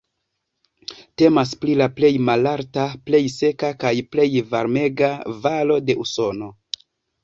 Temas pri la plej malalta, plej seka kaj plej varmega valo de Usono.